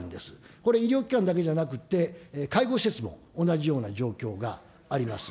これ医療機関だけじゃなくて、介護施設も同じような状況があります。